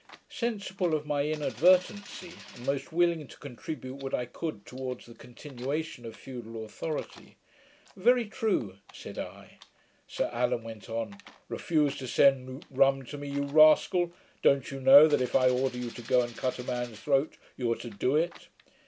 Sensible in my inadvertency, and most willing to contribute what I could towards the continuation of feudal authority, 'Very true,' said I. Sir Allan went on: 'Refuse to send rum to me, you rascal! Don't you know that, if I order you to go and cut a man's throat, you are to do it?'